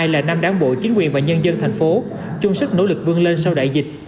hai nghìn hai mươi hai là năm đáng bộ chính quyền và nhân dân thành phố chung sức nỗ lực vươn lên sau đại dịch